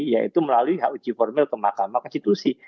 yaitu melalui hug formil ke mahkamah konstitusi